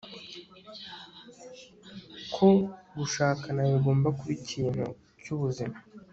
ko gushakana bigomba kuba ikintu cy'ubuzima